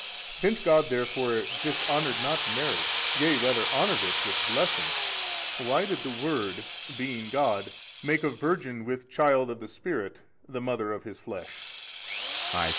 Since God therefore dishonoured not marriage yea rather honoured it with blessing, why did the Word being God make a Virgin with child of the Spirit the mother of His flesh?